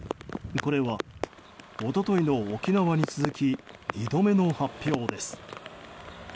これは、一昨日の沖縄に続き２度目の発表です。